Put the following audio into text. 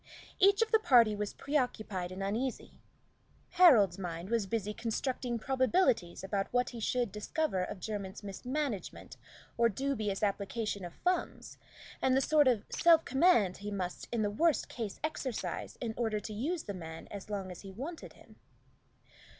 Each of the party was preoccupied and uneasy. Harold's mind was busy constructing probabilities about what he should discover of Jermyn's mismanagement or dubious application of funds, and the sort of self command he must in the worst case exercise in order to use the man as long as he wanted him.